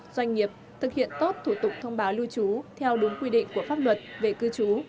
doanh nghiệp thực hiện tốt thủ tục thông báo lưu trú theo đúng quy định của pháp luật về cư trú